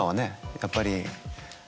やっぱり。